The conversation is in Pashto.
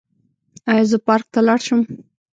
ایا زه پارک ته لاړ شم؟